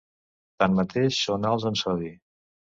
Tanmateix són alts en sodi.